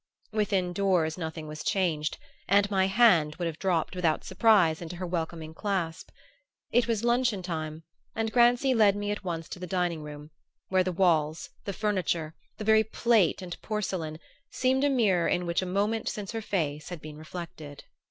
Within doors nothing was changed, and my hand would have dropped without surprise into her welcoming clasp. It was luncheon time, and Grancy led me at once to the dining room, where the walls, the furniture, the very plate and porcelain, seemed a mirror in which a moment since her face had been reflected.